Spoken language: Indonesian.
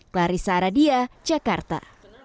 clarissa radia jakarta